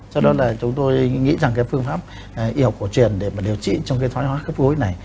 cho nên là chúng tôi nghĩ rằng cái phương pháp y học của truyền để mà điều trị trong cái thoái hóa khớp gối này